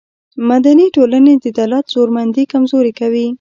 مدني ټولنې د دولت زورمندي کمزورې کوي.